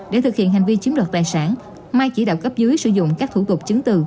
để thực hiện hành vi chiếm đoạt tài sản mai chỉ đạo cấp dưới sử dụng các thủ tục chứng từ